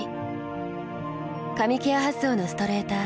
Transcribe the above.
髪ケア発想のストレーター。